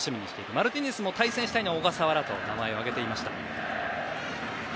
マルティネスも対戦したいのは小笠原と名前を挙げていました。